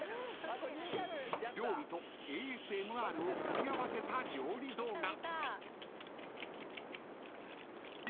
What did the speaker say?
［料理とＡＳＭＲを組み合わせた料理動画］